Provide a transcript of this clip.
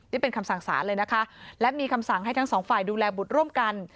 นี่เป็นคำสั่งสารเลยนะคะและมีคำสั่งให้ทั้งสองฝ่ายดูแลบุตรร่วมกัน